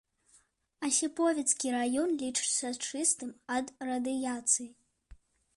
Асіповіцкі раён лічыцца чыстым ад радыяцыі.